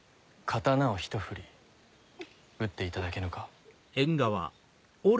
刀をひと振り打っていただけぬか。